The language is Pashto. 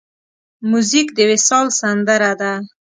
موزیک د وصال سندره ده.